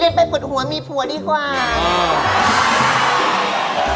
เรียนไปปวดหัวมีผัวดีกว่า